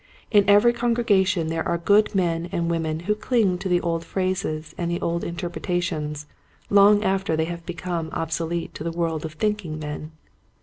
In every congregation there are good men and women who cling to the old phrases and the old interpretations long after they have become obsolete to the world of thinking men.